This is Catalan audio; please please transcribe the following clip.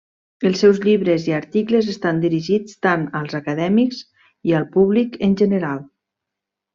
Els seus llibres i articles estan dirigits tant als acadèmics i al públic en general.